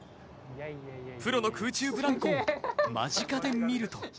プロの空中ブランコを間近で見ると。